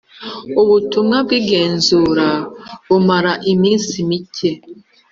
ubutumwa bw igenzura bumara imnsi mike